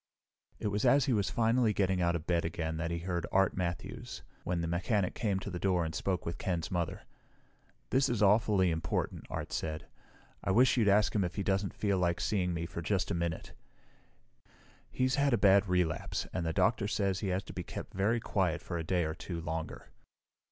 It was as he was finally getting out of bed again that he heard Art Matthews, when the mechanic came to the door and spoke with Ken's mother. "This is awfully important," Art said. "I wish you'd ask him if he doesn't feel like seeing me for just a minute." "He's had a bad relapse, and the doctor says he has to be kept very quiet for a day or two longer."